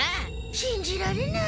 しんじられない。